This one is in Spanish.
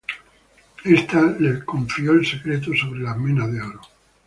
Esta le confió el secreto sobre las minas de oro.